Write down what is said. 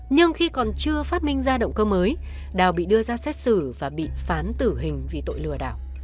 nhưng khi còn chưa phát minh ra động cơ mới đào bị đưa ra xét xử và bị phán tử hình vì tội lừa đảo